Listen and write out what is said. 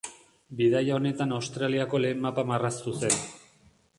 Bidaia honetan Australiako lehen mapa marraztu zen.